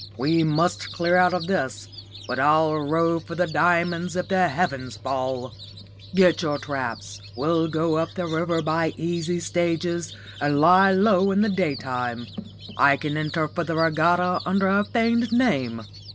We must clear out of this, but I'll row for the 'Diamonds' if the heavens fall. Get your traps. We'll go up the river by easy stages, and lie low in the day time. I can enter for the regatta under a feigned name."